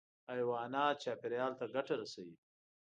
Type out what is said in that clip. حیوانات چاپېریال ته ګټه رسوي.